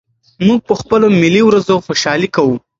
موږ په خپلو ملي ورځو خوشالي کوو.